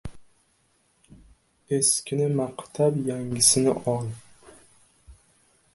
• Eskini maqtab, yangisini ol.